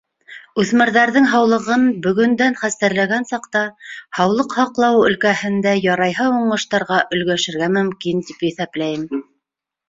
Үҫмерҙәрҙең һаулығын бөгөндән хәстәрләгән саҡта, һаулыҡ һаҡлау өлкәһендә ярайһы уңыштарға өлгәшергә мөмкин, тип иҫәпләйем.